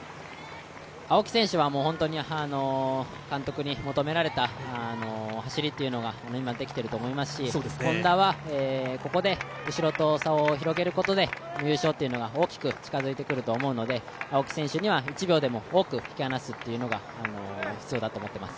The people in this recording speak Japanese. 青木選手は本当に監督に求められた走りというのが今できていると思いますし、Ｈｏｎｄａはここで後ろと差を広げることで優勝というのが大きく近づいてくると思うので青木選手には１秒でも多く引き離すことが必要だと思っています。